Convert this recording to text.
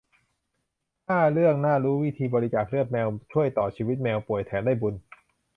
ห้า เรื่องน่ารู้วิธีบริจาคเลือดแมว ช่วยต่อชีวิตเหมียวป่วย แถมได้บุญ